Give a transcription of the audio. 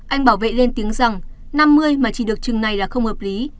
anh bảo vệ lên tiếng rằng năm mươi mà chỉ được chừng này là không hợp lý